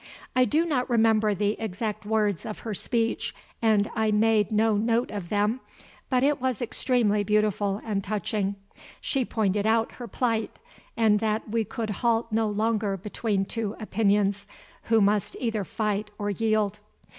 I do not remember the exact words of her speech, and I made no note of them, but it was extremely beautiful and touching. She pointed out her plight, and that we could halt no longer between two opinions, who must either fight or yield.